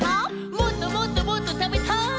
もっともっともっとたベタイ。